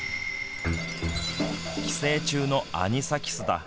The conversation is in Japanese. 寄生虫のアニサキスだ。